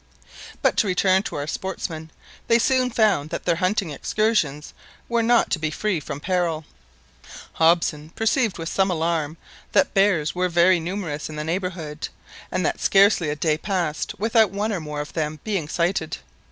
But to return to our sportsmen; they soon found that their hunting excursions were not to be free from peril. Hobson perceived with some alarm that bears were very numerous in the neighbourhood and that scarcely a day passed without one or more of them being sighted.